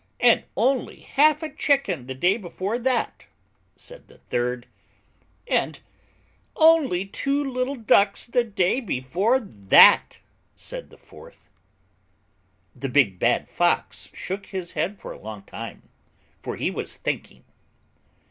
"And only half a chicken the day before that," said the third. "And only two little ducks the day before that," said the fourth. The big bad Fox shook his head for a long time, for he was thinking.